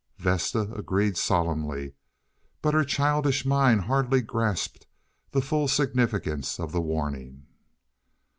Vesta agreed solemnly, but her childish mind hardly grasped the full significance of the warning.